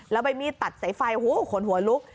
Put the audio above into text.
แล้วใบมีดตัดสายไฟขนหัวลุก